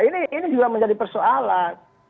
ini juga menjadi persoalan